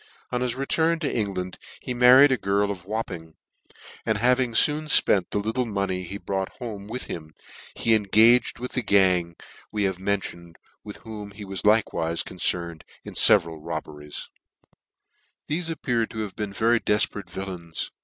On his return to England, he married a girl of "Wapping, and having foon fpcnt the little money he brought home wich him, he engaged with the gang we have mentioned, with whom he was feewife concerned in feveral robberies Thcfe W. DUCE and J. BUTLER for Robbery. 35$ Thefe appear to have been very defperate vjl lains.